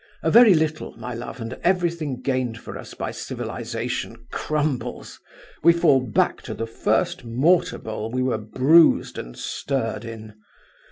A very little, my love, and everything gained for us by civilization crumbles; we fall back to the first mortar bowl we were bruised and stirred in.